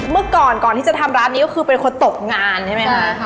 เมื่อก่อนก่อนที่จะทำร้านนี้ก็คือเป็นคนตกงานใช่ไหมคะ